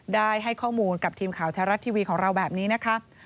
ได้ให้ข้อมูลกับทีมข่าวแท้รัฐทีวีของเราแบบนี้นะคะ